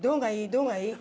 どうがいい？